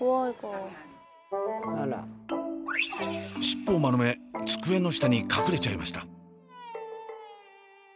尻尾を丸め机の下に隠れちゃいました。